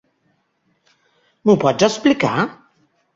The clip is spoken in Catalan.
M'ho pots explicar?